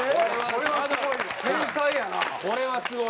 これはすごい。